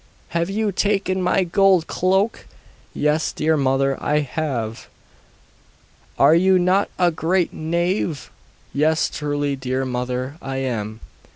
'Have you taken my gold cloak?' 'Yes, dear mother, I have.' 'Are you not a great knave?' 'Yes, truly dear mother, I am.